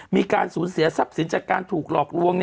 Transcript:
มีการสูญเสียทรัพย์สินจากการถูกหลอกลวง